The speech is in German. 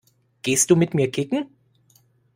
Gehst du mit mir kicken?